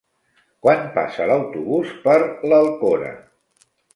Quan passa l'autobús per l'Alcora?